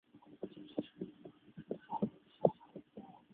字孝公。